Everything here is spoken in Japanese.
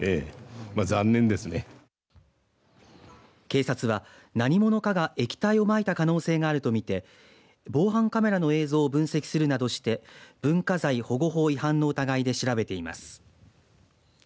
警察は何者かが液体をまいた可能性があると見て防犯カメラの映像を分析するなどして文化財保護法違反の疑いで調べています。